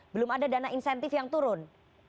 belum ada dana insentif yang turun